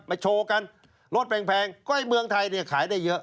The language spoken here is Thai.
โชว์กันรถแพงก็ให้เมืองไทยเนี่ยขายได้เยอะ